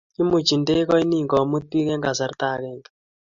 Imuchi ndegoni komut bik eng kasarta agenge